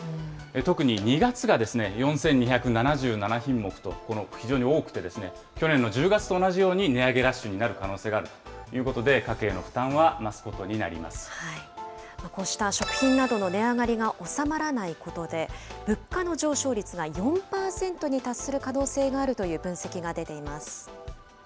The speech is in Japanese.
特に２月が４２７７品目と、この非常に多くて、去年の１０月と同じように、値上げラッシュになる可能性があるということで、家計こうした食品などの値上がりが収まらないことで、物価の上昇率が４％に達する可能性があるという分析が出ています。